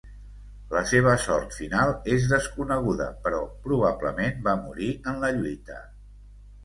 La seva sort final és desconeguda però probablement va morir en la lluita.